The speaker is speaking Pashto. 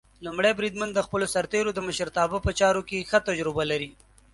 لومړی بریدمن د خپلو سرتېرو د مشرتابه په چارو کې ښه تجربه لري.